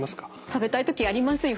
食べたい時ありますよね。